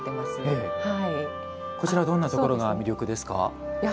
こちらはどんなところが魅力ですか？